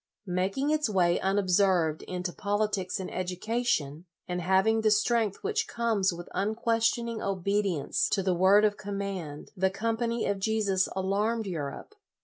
Making its way unobserved into politics and education, and having the strength which comes with unques tioning obedience to the word of com mand, the Company of Jesus alarmed Europe.